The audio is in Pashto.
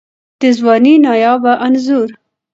د ځوانۍ نایابه انځور